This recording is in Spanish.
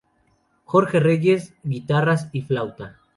Jorge Reyes, Guitarras y flauta.